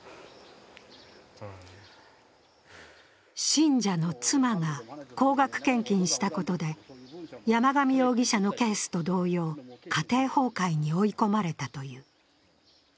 信者の妻が高額献金したことで山上容疑者のケースと同様、家庭崩壊に追い込まれたという。